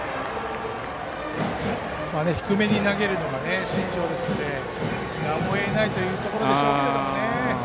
低めに投げるのが身上ですのでやむを得ないというところでしょうね。